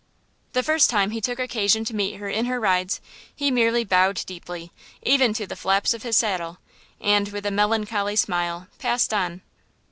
The first time he took occasion to meet her in her rides he merely bowed deeply, even to the flaps of his saddle and, with a melancholy smile, passed on.